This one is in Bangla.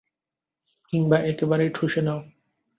কিংবা একেবারেই ঠুসে নাও।